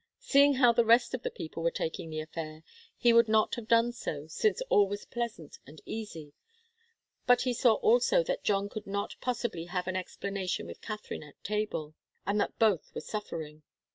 Seeing how the rest of the people were taking the affair, he would not have done so, since all was pleasant and easy, but he saw also that John could not possibly have an explanation with Katharine at table, and that both were suffering.